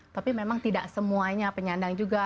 tapi memang tidak semuanya penyandang juga